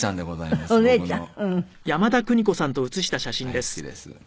大好きです。